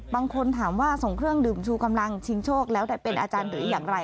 บางคนถามว่าส่งเครื่องดื่มชูกำลังชิงโชคแล้วได้เป็นอาจารย์หรืออย่างไร